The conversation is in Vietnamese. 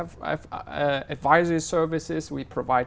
và các thủ tướng